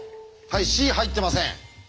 はいＣ入ってません。